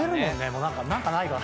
「何かないかなって」